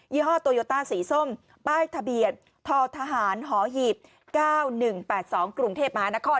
ยี่ห้อโตโยต้าสีส้มใบ้ทะเบียดททหหห๙๑๘๒กรุงเทพมหานคร